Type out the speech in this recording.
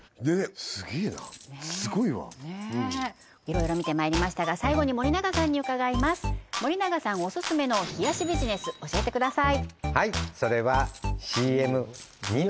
すげえなすごいわいろいろ見てまいりましたが最後に森永さんに伺います森永さんオススメの冷やしビジネス教えてください